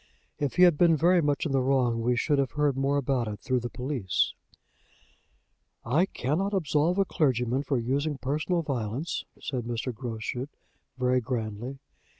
If he had been very much in the wrong we should have heard more about it through the police." "I cannot absolve a clergyman for using personal violence," said Mr. Groschut, very grandly.